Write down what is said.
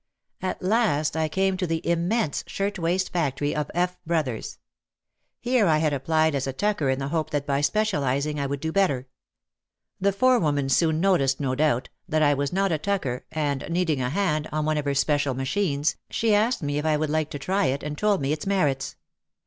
At last I came to the immense shirt waist factory of F. Brothers. Here I had applied as a tucker in the hope that by specialising I would do better. The fore woman soon noticed, no doubt, that I was not a tucker and needing "a hand" on one of her special machines, she asked me if I would like to try it and told me its merits.